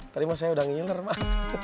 tadi mas eya udah ngiler mak